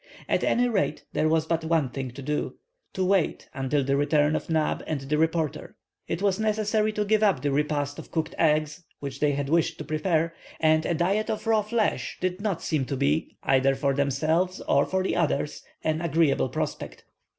At any rate there was but one thing to do:—to wait until the return of Neb and the reporter. It was necessary to give up the repast of cooked eggs which they had wished to prepare, and a diet of raw flesh did not seem to be, either for themselves or for the others, an agreeable prospect.